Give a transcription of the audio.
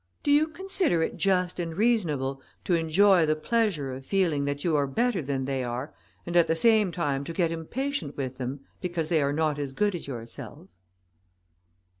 Do you consider it just and reasonable to enjoy the pleasure of feeling that you are better than they are, and at the same time to get impatient with them, because they are not as good as yourself?"